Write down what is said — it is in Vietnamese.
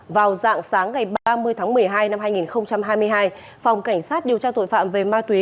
vào dạng sáng ngày ba mươi tháng một mươi hai năm hai nghìn hai mươi hai phòng cảnh sát điều tra tội phạm về ma túy